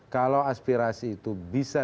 kalau aspirasi itu bisa